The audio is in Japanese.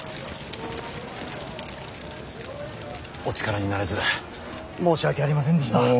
お力になれず申し訳ありませんでした。